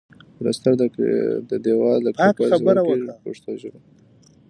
پلستر د دېوال د کلکوالي سبب کیږي په پښتو ژبه.